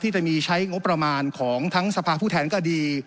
จะมีใช้งบประมาณของทั้งสภาผู้แทนก็ดี